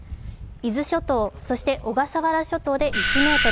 伊豆諸島、そして小笠原諸島で１ｍ。